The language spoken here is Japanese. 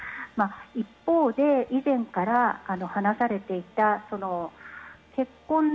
一方で以前から話されていた。